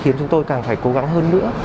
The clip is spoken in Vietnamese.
khiến chúng tôi càng phải cố gắng hơn nữa